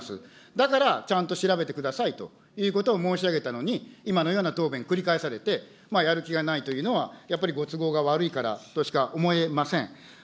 だからちゃんと調べてくださいということを申し上げたのに、今のような答弁繰り返されて、やる気がないというのは、やっぱりご都合が悪いからとしか思えません。